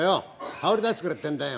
羽織出してくれってんだよ」。